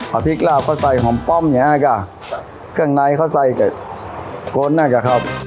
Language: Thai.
เอาพริกลาบเขาใส่หอมป้อมเนี้ยอ่ะกะเครื่องในเขาใส่กับโกนอ่ะกะครับ